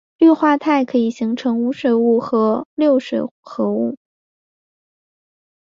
氯化铽可以形成无水物和六水合物。